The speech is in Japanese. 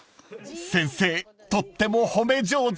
［先生とっても褒め上手］